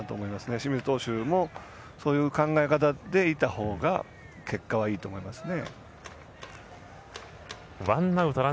清水投手もそういう考えでいたほうが結果はいいと思いますね。